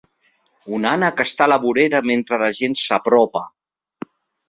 Un ànec està a la vorera mentre la gent s'apropa.